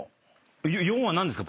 ４は何ですか？